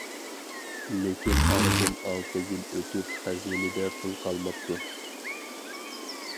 لېكىن ئارىدىن ئالتە يىل ئۆتۈپ خەزىنىدە پۇل قالماپتۇ.